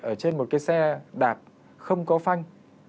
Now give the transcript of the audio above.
ở trên một cái xe đạp không có phanh